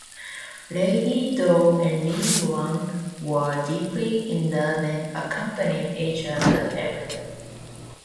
Lady Dou and Li Yuan were deeply in love and accompanied each other everywhere.